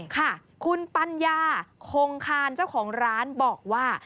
ค่ะคุณปัญญาคงคานเจ้าของร้านบอกว่า